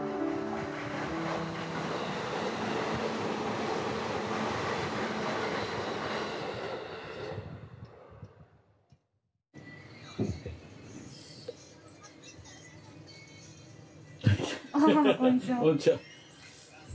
こんにちは。